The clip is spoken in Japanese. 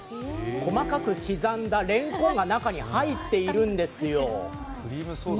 細かく刻んだれんこんが中に入っているんですよ。